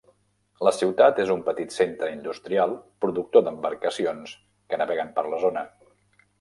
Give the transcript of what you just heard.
La ciutat és un petit centre industrial productor d'embarcacions que naveguen per la zona.